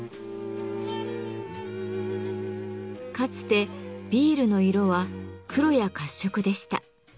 かつてビールの色は黒や褐色でした。